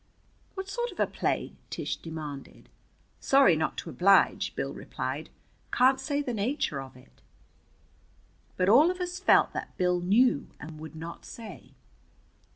"What sort of a play?" Tish demanded. "Sorry not to oblige," Bill replied. "Can't say the nature of it." But all of us felt that Bill knew and would not say.